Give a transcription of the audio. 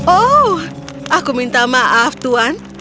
oh aku minta maaf tuan